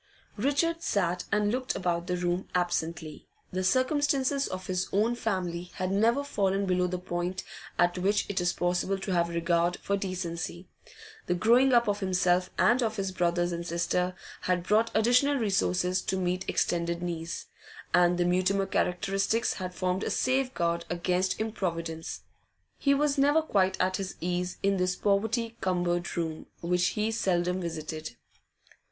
Richard sat and looked about the room absently. The circumstances of his own family had never fallen below the point at which it is possible to have regard for decency; the growing up of himself and of his brothers and sister had brought additional resources to meet extended needs, and the Mutimer characteristics had formed a safeguard against improvidence. He was never quite at his ease in this poverty cumbered room, which he seldom visited.